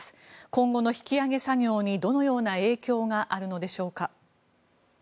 今後の引き揚げ作業にどのような影響があるのでしょうか。